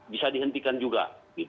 bisa dihentikan juga